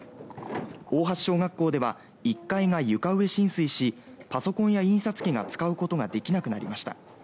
大橋小学校では１階が床上浸水しパソコンや印刷機が使うことができなくなりました。